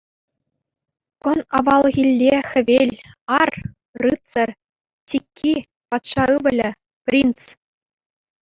Кӑн — авалхилле хӗвел, ар — рыцарь, тикки — патша ывӑлӗ, принц.